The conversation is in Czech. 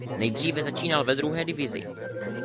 Nejdříve začínal ve druhé divizi.